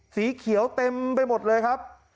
สีเขียวเต็มไปหมดเลยครับ